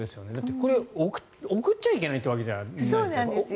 これ、送っちゃいけないというわけじゃないですよね。